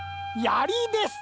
やりです！